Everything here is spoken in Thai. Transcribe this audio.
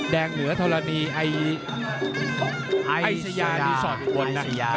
แดงเหนือทรนิไอไอสยารีสอร์ทอีกคนนะครับ